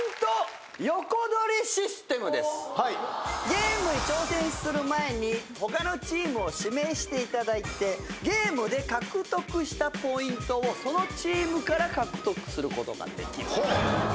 ゲームに挑戦する前に他のチームを指名していただいてゲームで獲得したポイントをそのチームから獲得することができる。